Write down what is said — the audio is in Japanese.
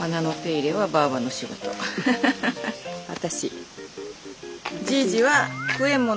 私。